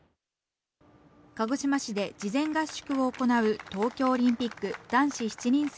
鹿児島市で事前合宿を行う東京オリンピック男子７人制